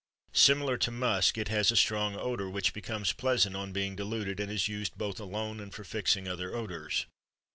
Similar to musk, it has a strong odor which becomes pleasant on being diluted and is used both alone and for fixing other odors.